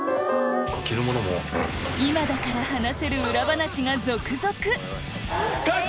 今だから話せる裏話が続々！